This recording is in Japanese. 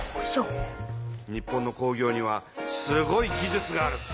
日本の工業にはすごい技術がある。